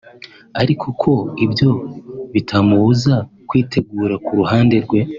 ariko ko ibyo bitamubuza kwitegura ku ruhande rwe